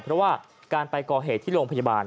เพราะว่าการไปก่อเหตุที่โรงพยาบาล